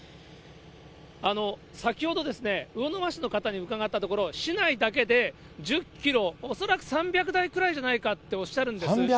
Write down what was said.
先ほどですね、魚沼市の方に伺ったところ、市内だけで１０キロ、恐らく３００台くらいじゃないかとおっしゃるんです。